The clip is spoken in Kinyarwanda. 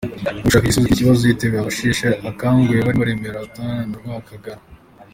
Mu gushaka igisubizo cy’iki kibazo yitabaje abasheshe akanguhe barimo Remera, Rutuganshuro na Rwakagara.